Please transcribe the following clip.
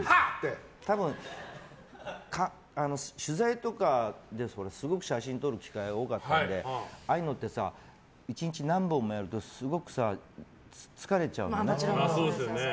多分、取材とかですごく写真撮る機会が多かったのでああいうのって１日何本もやるとすごく疲れちゃうのね。